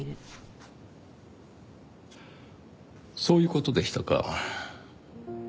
そういう事でしたか。